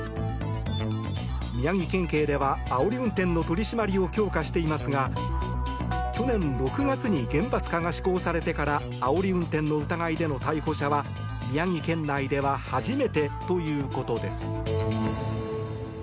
宮城県警ではあおり運転の取り締まりを強化していますが去年６月に厳罰化が施行されてからあおり運転の疑いでの逮捕者は宮城県内では初めてということです。